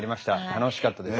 楽しかったです。